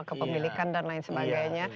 kepemilikan dan lain sebagainya